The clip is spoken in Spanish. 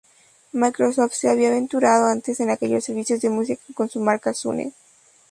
Microsoft se había aventurado antes en aquellos servicios de música con su marca Zune.